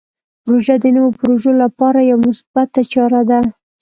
پروژه د نوو پروژو لپاره یوه مثبته چاره ده.